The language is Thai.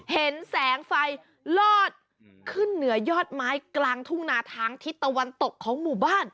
เห็นแสงไฟลอดขึ้นเหนือยอดไม้กลางทุ่งนาทางทิศตะวันตกของหมู่บ้าน